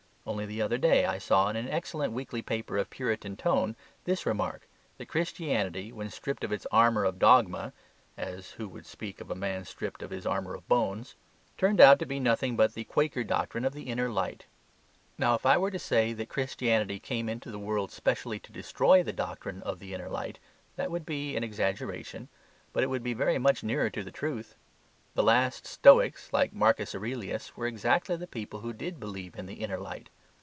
Only the other day I saw in an excellent weekly paper of Puritan tone this remark, that Christianity when stripped of its armour of dogma (as who should speak of a man stripped of his armour of bones), turned out to be nothing but the Quaker doctrine of the Inner Light. Now, if I were to say that Christianity came into the world specially to destroy the doctrine of the Inner Light, that would be an exaggeration. But it would be very much nearer to the truth. The last Stoics, like Marcus Aurelius, were exactly the people who did believe in the Inner Light.